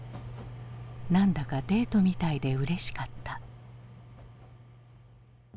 何だかデートみたいでうれしかった。